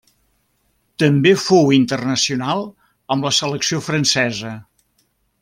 També fou internacional amb la selecció francesa.